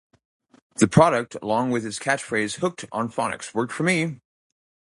The product, along with its catchphrase Hooked on Phonics worked for me!